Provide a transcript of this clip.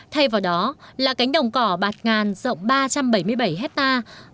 thay vào đó là cánh đồng cỏ bạt ngàn rộng ba trăm bảy mươi bảy hectare